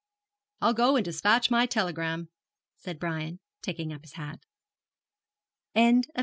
'I'll go and despatch my telegram,' said Brian, taking up his hat. CHAPTER XVI.